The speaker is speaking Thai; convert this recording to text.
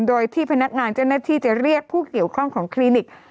โดยที่พนักงานเจ้าหน้าที่จะเรียกผู้เกี่ยวข้องของคลินิก